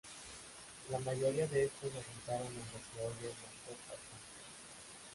La mayoría de estos se asentaron en lo que hoy es la costa atlántica.